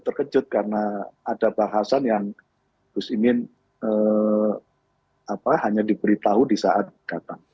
terkejut karena ada bahasan yang gus imin hanya diberitahu di saat datang